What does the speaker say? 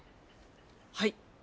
はい。